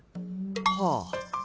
はあ。